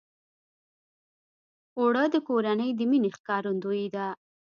اوړه د کورنۍ د مینې ښکارندویي ده